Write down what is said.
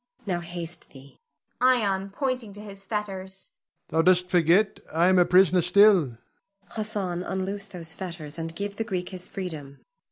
Now haste thee. Ion [pointing to his fetters]. Thou dost forget I am a prisoner still. Zuleika. Hassan, unloose these fetters, and give the Greek his freedom.